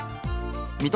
水戸